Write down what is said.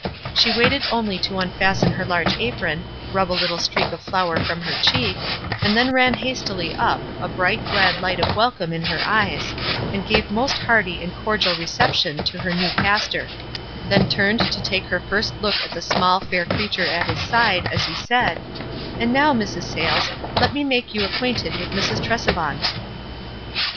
She waited only to unfasten her large apron, rub a little streak of flour from her cheek, and then she ran hastily up, a bright, glad light of welcome in her eyes, and' gave most hearty and cordial reception toyfier new pastor ; then turned to take her first look at the small, fair creature at his side, as he said, — "And now, Mrs. Savles, let me make you ac quainted with Mrs. Tresevant."